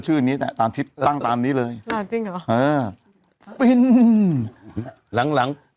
จริงเขาเลยแบบไปไหม